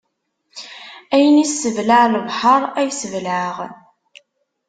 Ayen isseblaɛ lebḥeṛ, ay sbelɛeɣ.